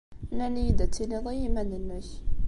Nnan-iyi-d ad tiliḍ i yiman-nnek.